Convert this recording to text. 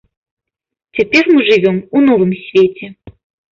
Цяпер мы жывём у новым свеце.